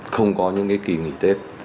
không có những kỳ nghỉ tết